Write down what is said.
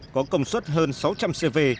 có công suất hơn sáu trăm linh cv